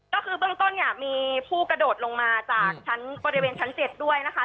ก็คือเบื้องต้นเนี่ยมีผู้กระโดดลงมาจากชั้นบริเวณชั้น๗ด้วยนะคะ